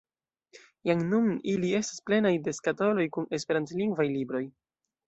Jam nun ili estas plenaj de skatoloj kun esperantlingvaj libroj.